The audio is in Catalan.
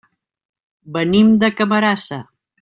Venim de Camarasa.